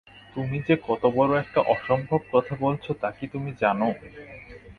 তুমি যে কত বড় একটা অসম্ভব কথা বলছ, তা কি তুমি জান?